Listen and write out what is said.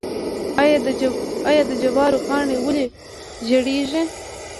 آیا د جوارو پاڼې ولې ژیړیږي؟